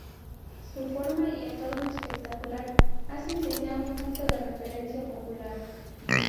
Su forma y entorno espectacular hacen que sea un punto de referencia popular.